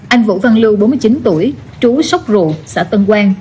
anh vũ văn lưu bốn mươi chín tuổi trú sóc rùa xã tân quang